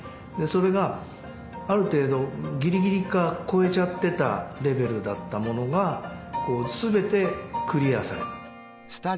それがある程度ぎりぎりか超えちゃってたレベルだったものがすべてクリアされたと。